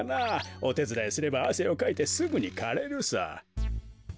おてつだいすればあせをかいてすぐにかれるさ。